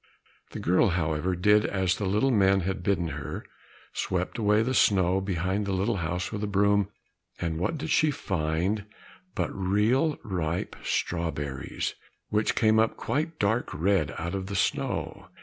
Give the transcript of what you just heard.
The girl, however, did as the little men had bidden her, swept away the snow behind the little house with the broom, and what did she find but real ripe strawberries, which came up quite dark red out of the snow!